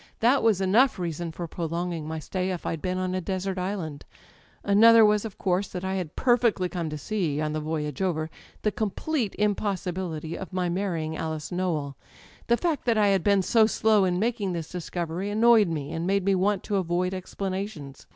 That was enough reason for prolonging my stay if I'd been on a desert island. Another was, of /[ 258 ] Digitized by LjOOQ IC THE EYES course, that I had perfectly come to see, on the voyage over, the complete impossibility of my marrying Alice Nowell. The fact that I had been so slow in making this discovery annoyed me, and made me want to avoid explanations.